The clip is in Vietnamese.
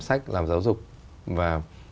sách làm giáo dục và